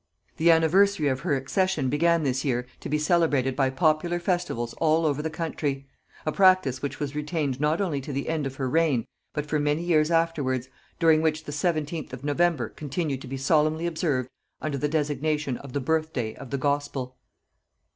The anniversary of her accession began this year to be celebrated by popular festivals all over the country; a practice which was retained not only to the end of the reign, but for many years afterwards, during which the 17th of November continued to be solemnly observed under designation of the Birthday of the Gospel.